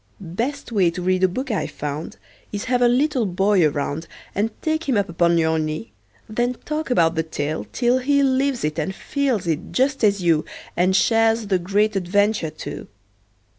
Best way to read a book I've found Is have a little boy around And take him up upon your knee; Then talk about the tale, till he Lives it and feels it, just as you, And shares the great adventure, too.